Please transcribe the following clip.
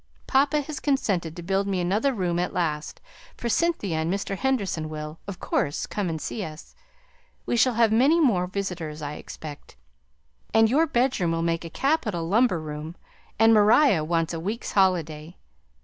Papa has consented to build me another room at last, for Cynthia and Mr. Henderson will, of course, come and see us; we shall have many more visitors, I expect, and your bedroom will make a capital lumber room; and Maria wants a week's holiday.